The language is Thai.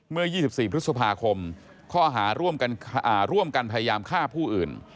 เมื่อยี่สิบสี่พฤษภาคมค่อหาร่วมกันอ่าร่วมกันพยายามฆ่าผู้อื่น